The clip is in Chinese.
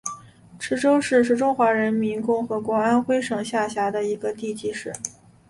池州市是中华人民共和国安徽省下辖的地级市。